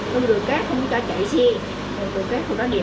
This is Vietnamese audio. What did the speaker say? hư đồi cát không cho chạy xe